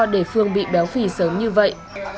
để phương bị béo phỉ sớm như vậy